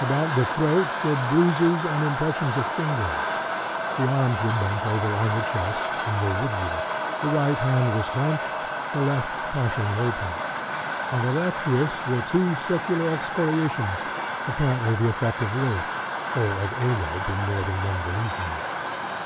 About the throat were bruises and impressions of fingers. The arms were bent over on the chest and were rigid. The right hand was clenched; the left partially open. On the left wrist were two circular excoriations, apparently the effect of ropes, or of a rope in more than one volution.